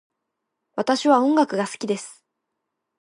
私は音楽が好きです。